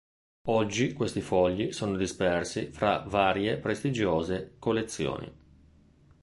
Oggi questi fogli sono dispersi fra varie prestigiose collezioni.